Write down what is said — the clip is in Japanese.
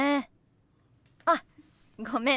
あごめん。